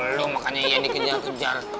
lalu makanya iyan dikejar kejar